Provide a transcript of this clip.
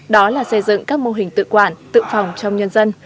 đó là xây dựng các mô hình tự quản tự phòng trong nhân dân